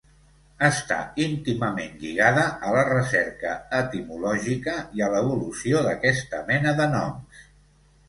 Està íntimament lligada a la recerca etimològica i a l'evolució d'aquesta mena de noms.